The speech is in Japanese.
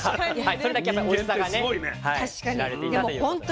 それだけおいしさがね知られていたということです。